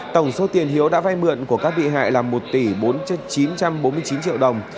tổng số tiền hiếu đã vay mượn của các bị hại là một tỷ chín trăm bốn mươi chín triệu đồng